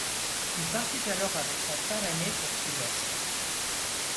Il partit alors avec son frère aîné pour Trieste.